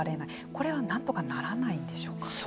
これはなんとかならないでしょうか。